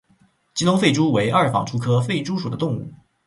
吉隆狒蛛为二纺蛛科狒蛛属的动物。